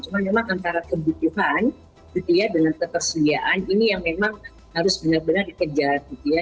cuma memang antara kebutuhan gitu ya dengan ketersediaan ini yang memang harus benar benar dikejar gitu ya